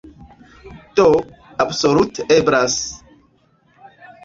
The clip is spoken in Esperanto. Do, absolute eblas.